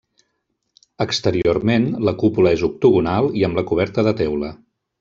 Exteriorment, la cúpula és octogonal i amb la coberta de teula.